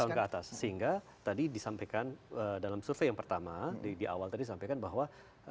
tahun ke atas sehingga tadi disampaikan dalam survei yang pertama di awal tadi disampaikan bahwa